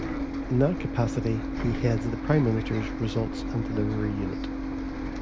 In that capacity, he heads the Prime Minister's Results and Delivery Unit.